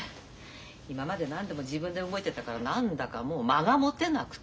今まで何でも自分で動いてたから何だかもう間がもてなくて。